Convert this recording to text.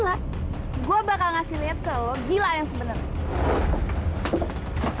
aku mau pergi ke tempat yang lebih luas